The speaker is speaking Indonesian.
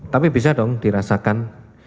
tapi bisa dong dirasakan